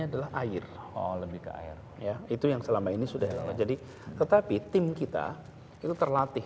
adalah air lebih ke air ya itu yang selama ini sudah terjadi tetapi tim kita itu terlatih